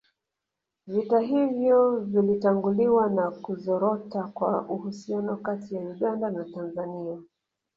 Vita hivyo vilitanguliwa na kuzorota kwa uhusiano kati ya Uganda na Tanzania